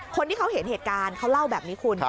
คนที่เขาเห็นเหตุการณ์เขาเล่าแบบนี้คุณ